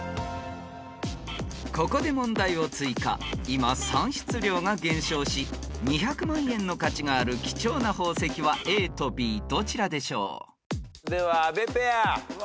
［今産出量が減少し２００万円の価値がある貴重な宝石はＡとＢどちらでしょう？］では阿部ペア。